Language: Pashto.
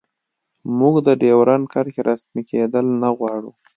موږ د ډیورنډ کرښې رسمي کیدل نه غواړو